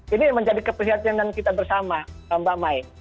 ini menjadi keperhatian dan kita bersama tambah main